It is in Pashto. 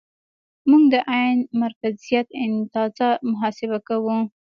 موږ د عین مرکزیت اندازه محاسبه کوو